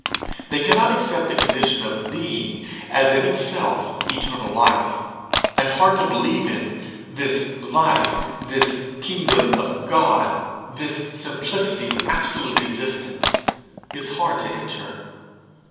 They cannot accept a condition of being as in itself eternal life. And hard to believe in, this life, this kingdom of God, this simplicity of absolute existence, is hard to enter.